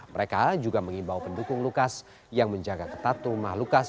mereka juga mengimbau pendukung lukas yang menjaga ketat rumah lukas